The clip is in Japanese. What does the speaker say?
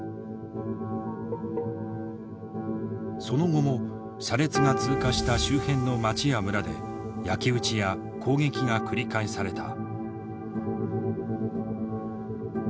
その後も車列が通過した周辺の町や村で焼き打ちや攻撃が繰り返された。